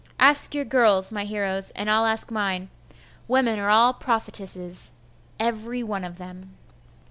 Ask your girls, my heroes, and I'll ask mine. Women are all prophetesses, every one of them.